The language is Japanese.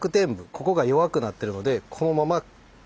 ここが弱くなってるのでこのままボキッと。